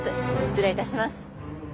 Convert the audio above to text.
失礼いたします。